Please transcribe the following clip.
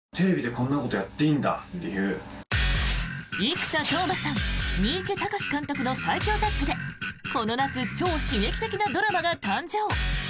生田斗真さん、三池崇史監督の最強タッグでこの夏超刺激的なドラマが誕生！